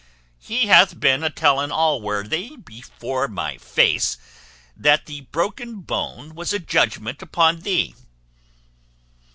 He hath been a telling Allworthy, before my face, that the broken bone was a judgment upon thee.